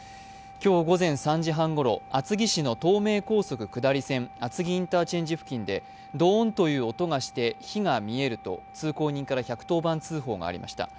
今日午前３時半ごろ厚木市の東名高速路下り線、厚木インターチェンジ付近でドーンという音がして火が見えると通行人から１１０番通報がありました。